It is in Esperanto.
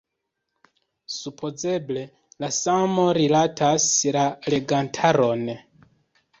Supozeble la samo rilatas la legantaron.